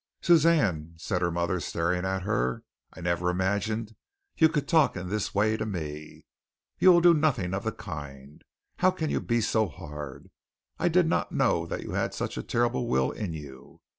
"Suzanne," said her mother, staring at her, "I never imagined you could talk in this way to me. You will do nothing of the kind. How can you be so hard? I did not know that you had such a terrible will in you.